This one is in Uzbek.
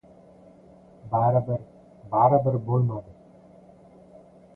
Baribir... baribir bo‘lmadi.